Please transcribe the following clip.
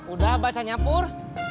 udah baca nya pur